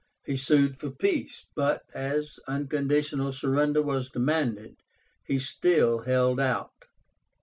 He sued for peace, but, as unconditional surrender was demanded, he still held out.